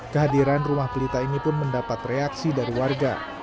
kehadiran rumah pelita ini pun mendapat reaksi dari warga